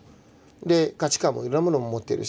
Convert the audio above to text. で価値観もいろんなものを持ってるし。